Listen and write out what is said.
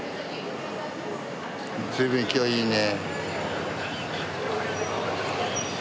随分勢いいいね。